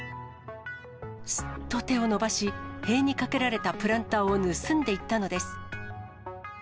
すっと手を伸ばし、塀にかけられたプランターを盗んでいったのです。